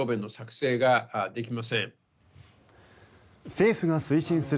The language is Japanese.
政府が推進する